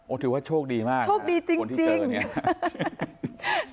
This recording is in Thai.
โอ้ถือว่าโชคดีมากโชคดีจริงจริงคนที่เจอเนี่ย